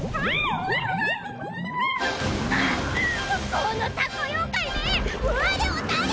このタコ妖怪め。